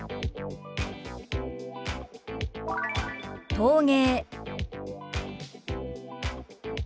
「陶芸」。